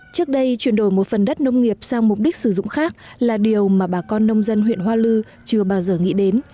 trước đây chuyển đổi một phần đất nông nghiệp sang mục đích sử dụng khác là điều mà bà con nông dân huyện hoa lư chưa bao giờ nghĩ đến